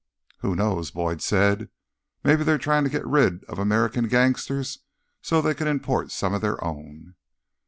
"Who knows?" Boyd said. "Maybe they're trying to get rid of American gangsters so they can import some of their own."